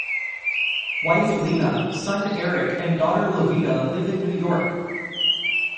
Wife Lina, son Eric and daughter Levita live in New York.